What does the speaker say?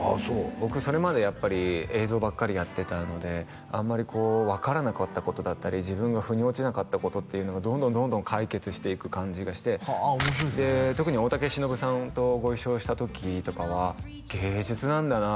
僕それまでやっぱり映像ばっかりやってたのであんまりこう分からなかったことだったり自分がふに落ちなかったことっていうのがどんどんどんどん解決していく感じがしてで特に大竹しのぶさんとご一緒した時とかは芸術なんだな